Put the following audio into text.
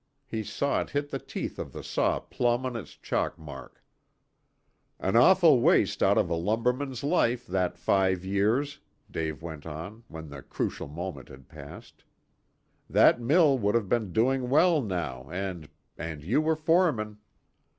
He saw it hit the teeth of the saw plumb on his chalk mark. "An awful waste out of a lumberman's life, that five years," Dave went on, when the crucial moment had passed. "That mill would have been doing well now, and and you were foreman."